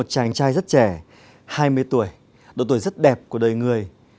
chàng trai rất trẻ hai mươi tuổi độ tuổi rất đẹp của đời người